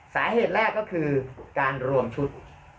สาเหตุแรกก็คือการรวมชุด